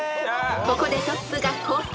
［ここでトップが交代］